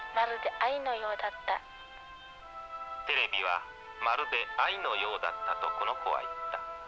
「テレビはまるで愛のようだったとこの子は言った。